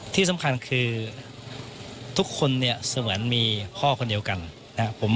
ที่สำคัญคือทุกคนเนี่ยเสมือนมีพ่อคนเดียวกันนะครับ